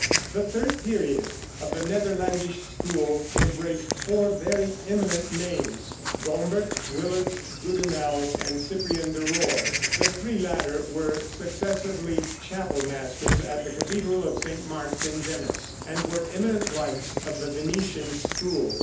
The third period of the Netherlandish school embraced four very eminent names Gombert, Willaert, Goudimel and Cyprian de Rore. The three latter were successively chapel masters at the cathedral of St. Mark's in Venice, and were eminent lights of the Venetian school.